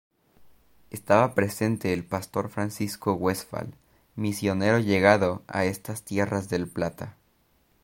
Estaba presente el Pastor Francisco Westphal, misionero llegado a estas tierras del Plata.